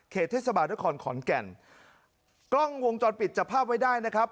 เทศบาลนครขอนแก่นกล้องวงจรปิดจับภาพไว้ได้นะครับ